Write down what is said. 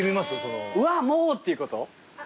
「うわ！もう！」っていうこと？